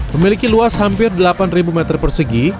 memiliki luas hampir delapan meter persegi